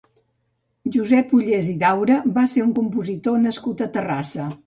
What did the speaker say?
Josep Ullés i Daura va ser un compositor nascut a Terrassa.